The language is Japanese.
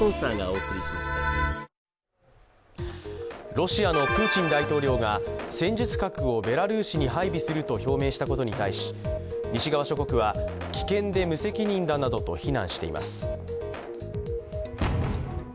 ロシアのプーチン大統領が戦術核をベラルーシに配備すると表明したことに対し西側諸国は、危険で無責任だなどと非難しています。